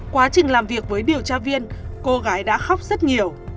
quá trình làm việc với điều tra viên cô gái đã khóc rất nhiều